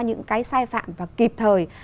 những cái sai phạm và kịp thời